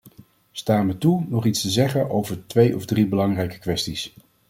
Sta me toe nog iets te zeggen over twee of drie belangrijke kwesties.